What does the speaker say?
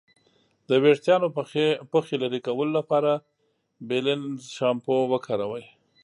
د ویښتانو پخې لرې کولو لپاره بیلینزر شامپو وکاروئ.